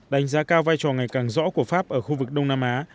đánh giá cao vai trò ngày càng rõ của pháp ở khu vực đông nam á